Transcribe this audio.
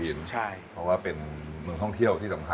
เพราะว่าเป็นเมืองท่องเที่ยวที่สำคัญ